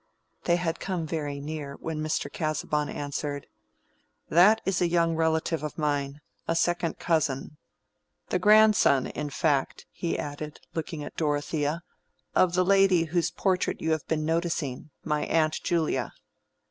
They had come very near when Mr. Casaubon answered— "That is a young relative of mine, a second cousin: the grandson, in fact," he added, looking at Dorothea, "of the lady whose portrait you have been noticing, my aunt Julia."